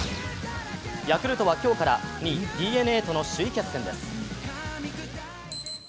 ヤクルトは今日から２位・ＤｅＮＡとの首位決戦です。